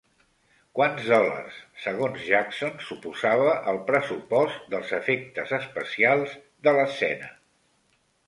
Quants dòlars segons Jackson suposava el pressupost dels efectes especials de l'escena?